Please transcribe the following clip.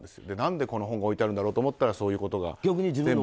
で、何でこの本が置いてあったんだろうと思ったらそういうことが。